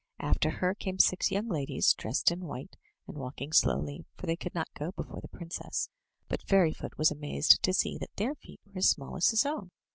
After her came six young ladies, dressed in white and walk ing slowly, for they could not go before the princess; but Fairy foot was amazed to see that their feet were as small as his own.